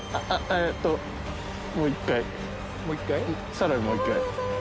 さらにもう１回。